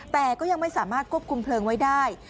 แต่ก็ยังไม่สามารถควบคุมเพลิงไว้ได้